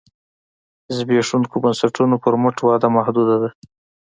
زبېښونکو بنسټونو پر مټ وده محدوده ده.